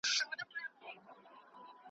داسي ورځ درڅخه غواړم را خبر مي خپل ملیار کې ,